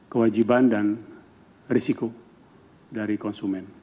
kewajiban dan risiko dari konsumen